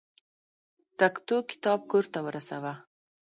تکتو کتاب کور ته ورسه.